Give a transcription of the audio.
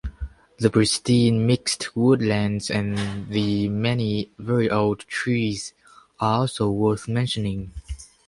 The pristine mixed woodlands and the many very old trees are also worth mentioning.